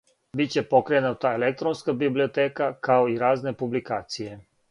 Биће покренута електронска библиотека, као и разне публикације.